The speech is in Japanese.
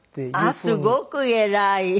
あっすごく偉い。